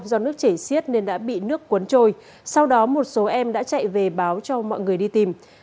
do nước chảy xiết nên đã bị nước cuốn trôi sau đó một số em đã chạy về báo cho mọi người đi tìm